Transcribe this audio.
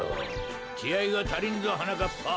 きあいがたりんぞはなかっぱ。